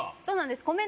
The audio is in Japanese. そうなんです